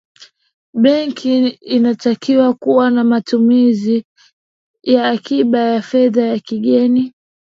benki inatakiwa kuwa na usimamizi wa akiba ya Fedha za kigeni